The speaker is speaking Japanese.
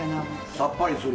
さっぱりする。